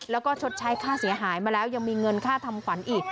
แล้วก็ชดใช้ค่าเสียหายมาแล้วยังมีเงินค่าทำขวัญอีก